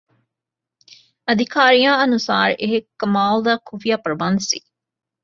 ਅਧਿਕਾਰੀਆਂ ਅਨੁਸਾਰ ਇਹ ਕਮਾਲ ਦਾ ਖੁਫੀਆ ਪ੍ਰਬੰਧ ਸੀ